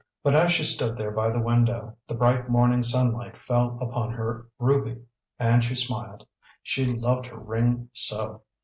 But as she stood there by the window, the bright morning sunlight fell upon her ruby, and she smiled. She loved her ring so!